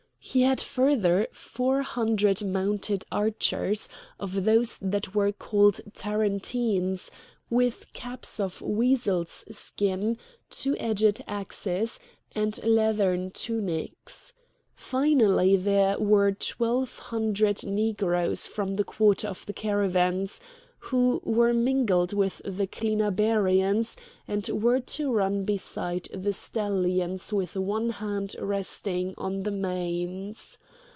He had further four hundred mounted archers, of those that were called Tarentines, with caps of weasel's skin, two edged axes, and leathern tunics. Finally there were twelve hundred Negroes from the quarter of the caravans, who were mingled with the Clinabarians, and were to run beside the stallions with one hand resting on the manes.